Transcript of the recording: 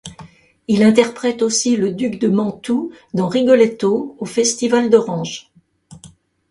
Il interprète aussi le duc de Mantoue dans Rigoletto au festival d'Orange.